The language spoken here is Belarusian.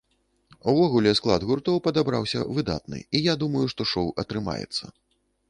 Увогуле, склад гуртоў падабраўся выдатны і я думаю, што шоў атрымаецца.